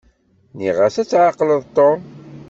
Nniɣ-as ad tɛeqleḍ Tom.